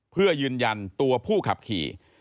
เพื่อยืนยันตัวผู้ขับขี่